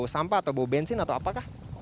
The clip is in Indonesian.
sampah atau bau bensin atau apakah